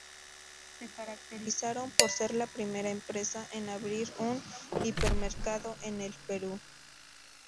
Se caracterizaron por ser la primera empresa en abrir un hipermercado en el Perú.